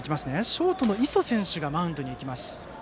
ショートの磯選手がマウンドへ行きます。